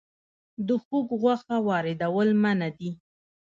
د خوګ غوښه واردول منع دي